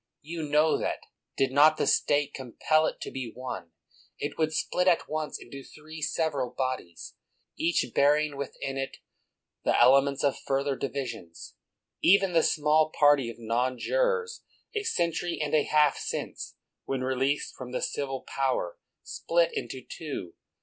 You know that, did not the State compel it to be one, it would split at once into three several bodies, each bearing within it the elements of further divisions. Even the small party of non jurors, a century and a half since, when released from the civil power, split into two.